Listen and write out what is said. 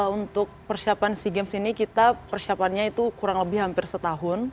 untuk persiapan sea games ini kita persiapannya itu kurang lebih hampir setahun